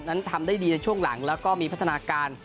นั้นทำได้ดีในช่วงหลังแล้วก็มีพัฒนาการ